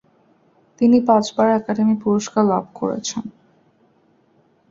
তিনি পাঁচবার একাডেমি পুরস্কার লাভ করেছেন।